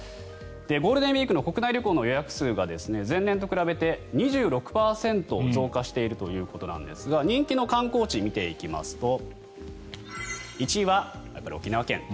ゴールデンウィークの国内旅行の予約数が前年と比べて２６％増加しているということなんですが人気の観光地を見ていきますと１位はやっぱり沖縄県。